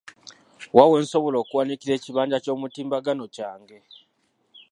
Wa we nsobola okuwanikira ekibanja ky'omutimbagano kyange?